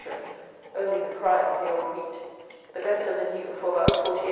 _, only the prime of the old wheat. The best of the new for about 48_s.